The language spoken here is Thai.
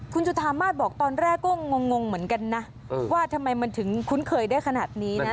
คุณจุธามาศบอกตอนแรกก็งงเหมือนกันนะว่าทำไมมันถึงคุ้นเคยได้ขนาดนี้นะ